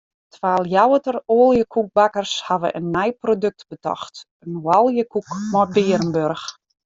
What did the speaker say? Twa Ljouwerter oaljekoekbakkers hawwe in nij produkt betocht: in oaljekoek mei bearenburch.